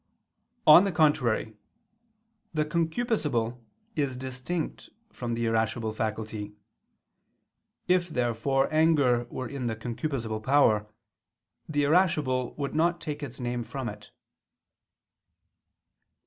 On the contrary, The concupiscible is distinct from the irascible faculty. If, therefore, anger were in the concupiscible power, the irascible would not take its name from it.